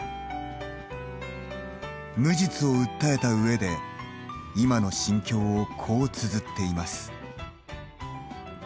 無実を訴えたうえで今の心境をこうつづっています。